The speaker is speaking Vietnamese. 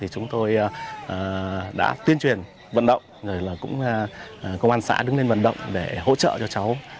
chúng tôi đã tuyên truyền vận động công an xã đứng lên vận động để hỗ trợ cho cháu